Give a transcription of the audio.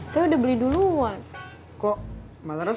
sibur kemana mot